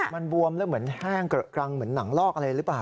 มันบวมแล้วเหมือนแห้งเกลอะกรังเหมือนหนังลอกอะไรหรือเปล่า